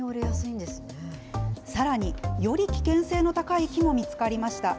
さらに、より危険性の高い木も見つかりました。